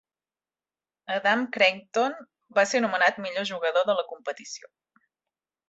Adam Creighton va ser nomenat millor jugador de la competició.